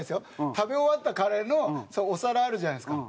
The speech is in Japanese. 食べ終わったカレーのお皿あるじゃないですか。